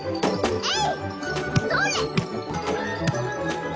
えい！